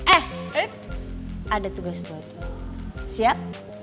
eh ada tugas buatmu siap